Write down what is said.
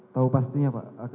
tahu pastinya pak